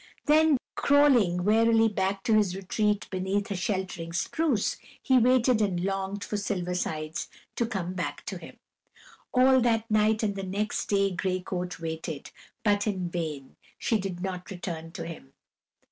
Then crawling wearily back to his retreat beneath a sheltering spruce, he waited and longed for Silver Sides to come back to him. All that night and the next day Gray Coat waited, but in vain; she did not return to him.